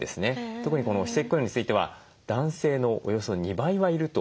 特にこの非正規雇用については男性のおよそ２倍はいるとされています。